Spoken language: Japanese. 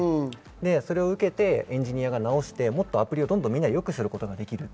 それを受けてエンジニアが直してもっとアプリをどんどん良くすることができる。